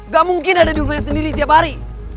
gak mungkin ada di rumahnya sendiri tiap hari